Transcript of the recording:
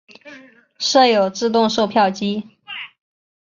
设有自动售票机。